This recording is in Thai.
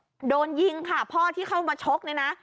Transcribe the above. ครับโดนยิงค่ะพ่อที่เข้ามาชกนี่น่ะ